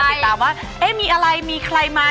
ติดตามว่าเอ๊ะมีอะไรมีใครมา